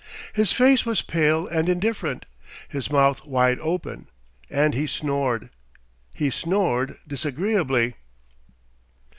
His face was pale and indifferent, his mouth wide open, and he snored. He snored disagreeably.